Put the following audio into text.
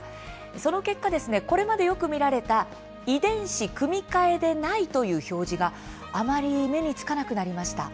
その結果、これまでよく見られた「遺伝子組み換えでない」という表示があまり目につかなくなりました。